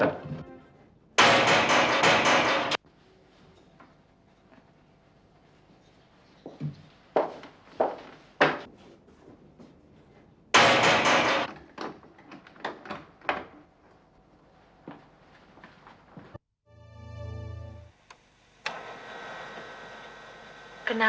saya tunggu sedikit ya